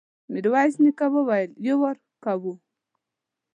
ميرويس نيکه وويل: يو وار کوو.